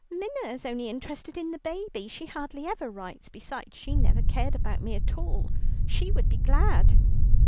"Minna is only interested in the baby. She hardly ever writes; besides, she never cared about me at all. She would be glad."